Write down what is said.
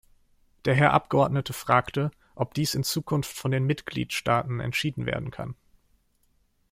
Der Herr Abgeordnete fragte, ob dies in Zukunft von den Mitgliedstaaten entschieden werden kann.